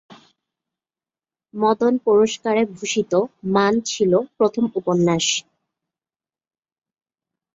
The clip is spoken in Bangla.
মদন পুরস্কারে ভূষিত "মান" ছিল প্রথম উপন্যাস।